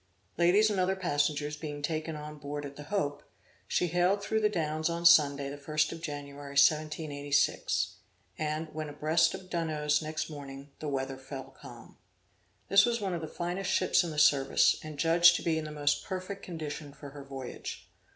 Ladies and other passengers being taken on board at the Hope, she sailed through the Downs on Sunday the 1st of January 1786; and, when abreast of Dunnose next morning, the weather fell calm. This was one of the finest ships in the service, and judged to be in the most perfect condition for her voyage.